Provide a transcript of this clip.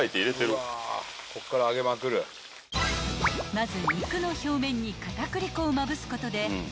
［まず］